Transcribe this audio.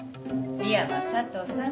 深山佐都さん。